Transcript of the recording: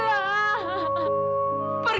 pergi kamu mila pergi